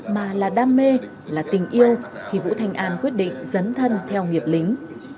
mà là đam mê là tình yêu khi vũ thanh an quyết định dấn thân theo nghiệp lính